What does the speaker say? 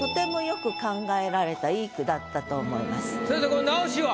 これ直しは？